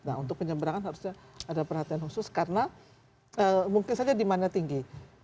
nah untuk penyeberangan harusnya ada perhatian khusus karena mungkin saja demandnya tinggi